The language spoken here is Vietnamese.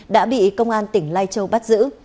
đã bị công an tỉnh lai châu bắt giữ